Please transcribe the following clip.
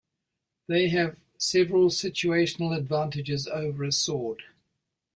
They have several situational advantages over a sword.